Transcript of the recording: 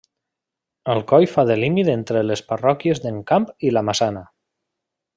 El coll fa de límit entre les parròquies d'Encamp i la Massana.